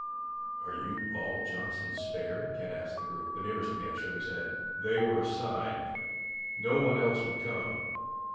"Are you all Johnson could spare?" Ken asked the group. The nearest man shook his head. "They were assigned. No one else would come.